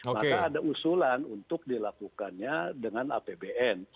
maka ada usulan untuk dilakukannya dengan apbn